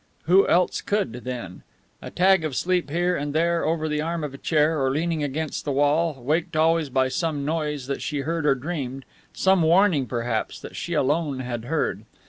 Who else could, then? A tag of sleep here and there, over the arm of a chair, or leaning against the wall, waked always by some noise that she heard or dreamed, some warning, perhaps, that she alone had heard.